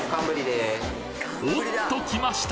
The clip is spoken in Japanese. おっと来ました。